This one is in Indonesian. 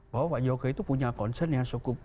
bahwa pak jokowi itu punya concern yang cukup